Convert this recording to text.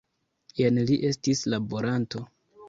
Jen li estis laboranto!